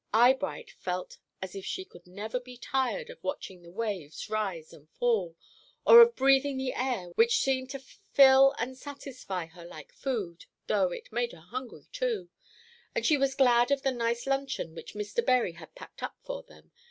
Eyebright felt as if she could never be tired of watching the waves rise and fall, or of breathing the air, which seemed to fill and satisfy her like food though it made her hungry, too, and she was glad of the nice luncheon which Mr. Bury had packed up for them.